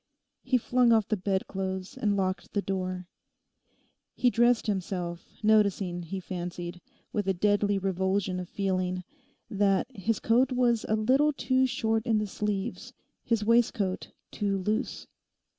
He flung off the bedclothes and locked the door. He dressed himself, noticing, he fancied, with a deadly revulsion of feeling, that his coat was a little too short in the sleeves, his waistcoat too loose.